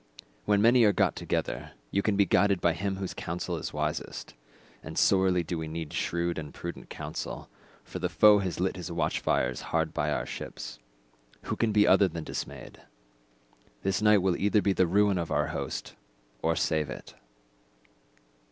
When many are got together, you can be guided by him whose counsel is wisest—and sorely do we need shrewd and prudent counsel, for the foe has lit his watchfires hard by our ships. Who can be other than dismayed? This night will either be the ruin of our host, or save it."